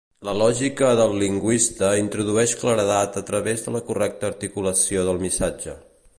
La lògica del lingüista introdueix claredat a través de la correcta articulació del missatge.